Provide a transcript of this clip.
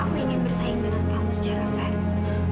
aku ingin bersaing dengan kamu secara faham